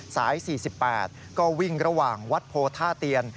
สาย๔๘ก็วิ่งระหว่างวัดโพท่าเตียน